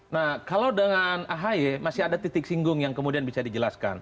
nah kalau dengan ahy masih ada titik singgung yang kemudian bisa dijelaskan